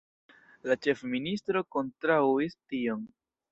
La ĉefministro kontraŭis tion.